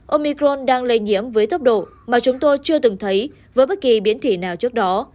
ông micron đang lây nhiễm với tốc độ mà chúng tôi chưa từng thấy với bất kỳ biến thể nào trước đó